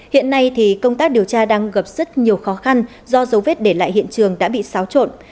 hiện nay thì công tác điều tra đang gặp rất nhiều khó khăn do dấu vết để lại hiện trường đã bị xáo trộn